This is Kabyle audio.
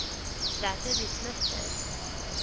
Leɛtab i ttneḥsab.